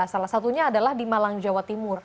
salah satunya adalah di malang jawa timur